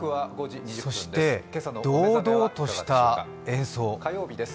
そして堂々とした演奏。